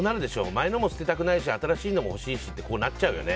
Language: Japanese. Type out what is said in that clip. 前のも捨てたくないし新しいのも欲しいしってなっちゃうよね。